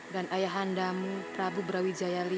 dan ayahandamu prabu brawijaya v